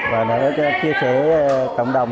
và chia sẻ với cộng đồng